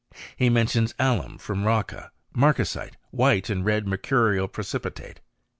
He mentions alum from Rocca, marcasite. White and red mercurial precipitate.